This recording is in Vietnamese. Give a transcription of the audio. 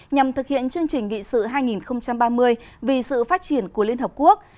nhằm thực hiện chương trình nghị sự hai nghìn ba mươi vì sự phát triển của liên hợp quốc